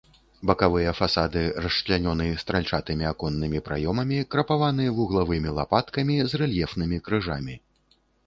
Бакавыя фасады расчлянёны стральчатымі аконнымі праёмамі, крапаваны вуглавымі лапаткамі з рэльефнымі крыжамі.